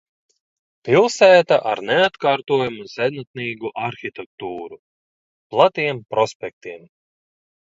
Pilsēta ar neatkārtojamu senatnīgu arhitektūru, platiem prospektiem.